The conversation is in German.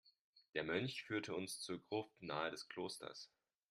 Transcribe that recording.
Der Mönch führte uns zur Gruft nahe des Klosters.